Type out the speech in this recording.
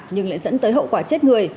nhưng lại dẫn tới hậu quả chết người